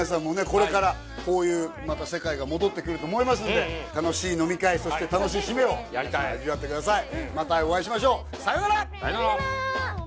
これからこういうまた世界が戻ってくると思いますので楽しい飲み会そして楽しい〆を味わってください